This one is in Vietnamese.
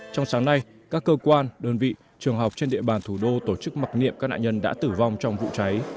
trong sáng nay các cơ quan đơn vị trường học trên địa bàn thủ đô tổ chức mặc niệm các nạn nhân đã tử vong trong vụ cháy